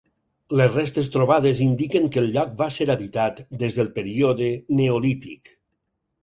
Les restes trobades indiquen que el lloc va ser habitat des del període neolític.